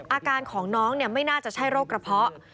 อาการของน้องไม่น่าจะใช่โรคกระเพาะ